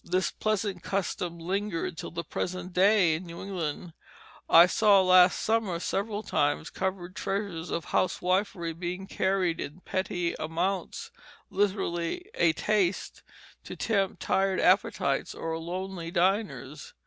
This pleasant custom lingered till the present day in New England; I saw last summer, several times, covered treasures of housewifery being carried in petty amounts, literally "a taste," to tempt tired appetites or lonely diners.